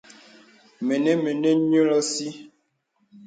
Mə̀nə̀ mə̀nə̀ ǹyùl òsì.